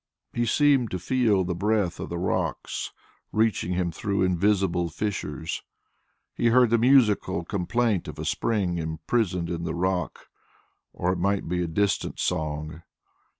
He seemed to feel the breath of the rocks reaching him through invisible fissures. He heard the musical complaint of a spring imprisoned in the rock, or it might be a distant song.